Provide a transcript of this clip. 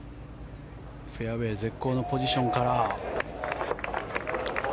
フェアウェー絶好のポジションから。